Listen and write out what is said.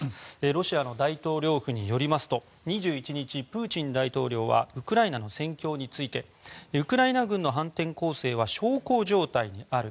ロシアの大統領府によりますと２１日、プーチン大統領はウクライナの戦況についてウクライナ軍の反転攻勢は小康状態にある。